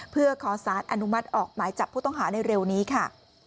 เพื่อขอสารอนุมัติออกหมายจับผู้ต้องหาในเร็วนี้ค่ะ